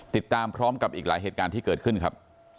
ติดตามพร้อมกับอีกหลายเหตุการณ์ที่เกิดขึ้นครับ